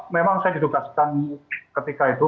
memang saya ditugaskan ketika itu